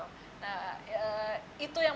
nah itu yang menurut saya sesuatu yang terbaik